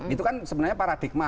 itu kan sebenarnya paradigma